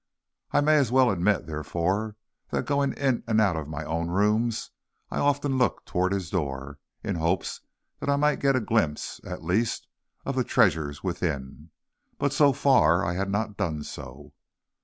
I may as well admit, therefore, that going in and out of my own rooms I often looked toward his door, in hopes that I might get a glimpse, at least, of the treasures within. But so far I had not done so.